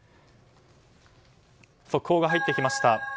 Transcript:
速報が入ってきました。